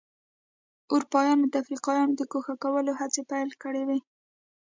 اروپایانو د افریقایانو د ګوښه کولو هڅې پیل کړې وې.